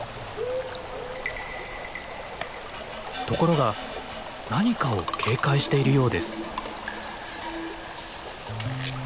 ところが何かを警戒しているようです。